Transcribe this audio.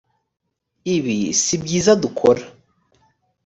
ibi si byiza dukora